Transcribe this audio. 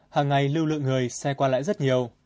hàng ngày lưu lượng người xe qua lại rất nhiều